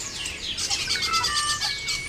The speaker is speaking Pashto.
وي به د ټولې نړۍ نوی کال، خو څه وکړمه؟